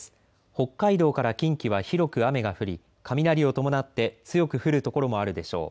北海道から近畿は広く雨が降り雷を伴って強く降る所もあるでしょう。